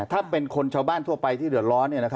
ถ้าเป็นคนชาวบ้านทั่วไปที่เดือดร้อน